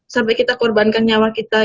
sampai kita korbankan nyawa kita